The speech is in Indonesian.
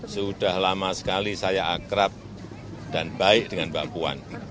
sudah lama sekali saya akrab dan baik dengan mbak puan